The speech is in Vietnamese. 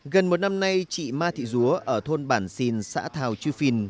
gần một năm nay chị ma thị dúa ở thôn bản xìn xã thảo chư phìn